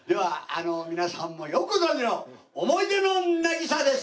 あの皆さんもよくご存じの『想い出の渚』です。